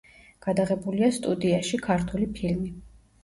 გადაღებულია სტუდიაში ქართული ფილმი.